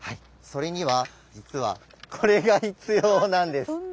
それには実はこれが必要なんです。